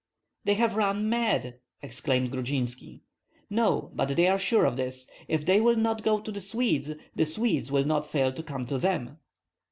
"They have run mad!" exclaimed Grudzinski. "No; but they are sure of this, if they will not go to the Swedes, the Swedes will not fail to come to them."